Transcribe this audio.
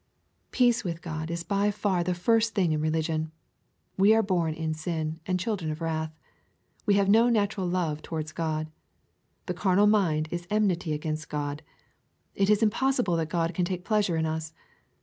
Peace with God is by far the first thing in religion. We are born in sin, and children of wrath. We have no natural love towards God. The carnal mind is en mity against God. It is impossible that God can take pleasure in us.